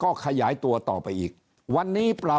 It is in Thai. ก็มาเมืองไทยไปประเทศเพื่อนบ้านใกล้เรา